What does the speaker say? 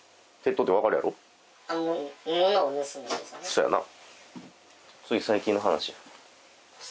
そやな。